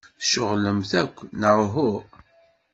Tceɣlemt akk, neɣ uhu?